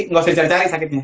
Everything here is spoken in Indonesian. gak usah cari cari sakitnya